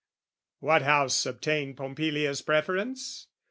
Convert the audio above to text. What house obtained Pompilia's preference?